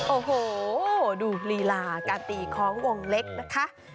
โอ้โหดูลีลาการตีของวงเล็กนะคะ